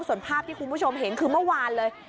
ส่วนภาพที่คุณผู้ชมเห็นคือเมื่อวานเลย